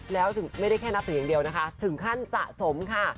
แล้วถึงไม่ได้แค่นับถืออย่างเดียวนะคะถึงขั้นสะสมค่ะ